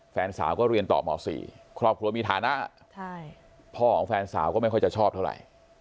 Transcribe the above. แฟนสาวก็เรียนต่อหมอ๔ครอบครัวมีฐานะพ่อของแฟนสาวก็ไม่ค่อยจะชอบเท่าไหร่